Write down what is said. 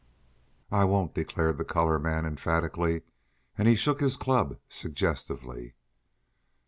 "I won't!" declared the colored man emphatically, and he shook his club suggestively.